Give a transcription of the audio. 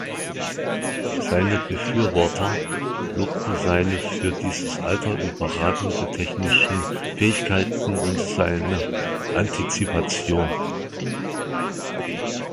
Seine Befürworter lobten seine für dieses Alter überragenden technischen Fähigkeiten und seine Antizipation.